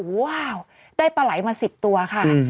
อู๋ว้าวได้ปลายมา๑๐ตัวค่ะ